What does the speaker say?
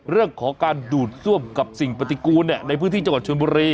เรื่องของการดูดซ่วมกับสิ่งปฏิกูลในพื้นที่จังหวัดชนบุรี